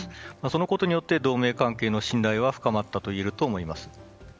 そのことによって同盟関係の信頼は深まったといえると思います。